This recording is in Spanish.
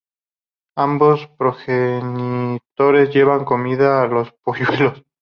Ambos progenitores llevan comida a los polluelos.